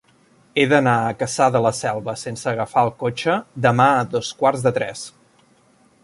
He d'anar a Cassà de la Selva sense agafar el cotxe demà a dos quarts de tres.